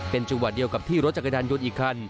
เป็นจังหวะเดียวกับที่รถจักรยานยนต์อีกคัน